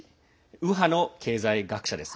右派の経済学者です。